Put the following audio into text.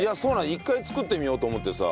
一回作ってみようと思ってさ。